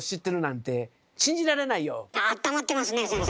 ああったまってますねえ先生。